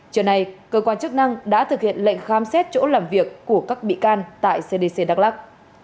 trưa nay cơ quan chức năng đã thực hiện lệnh khám xét chỗ làm việc của các bị can tại cdc đắk lắc